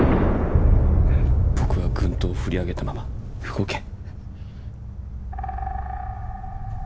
僕は軍刀を振り上げたまま動けん。